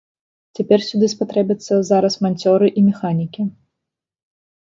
Цяпер сюды спатрэбяцца зараз манцёры і механікі.